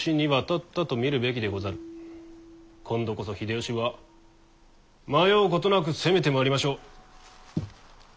今度こそ秀吉は迷うことなく攻めてまいりましょう。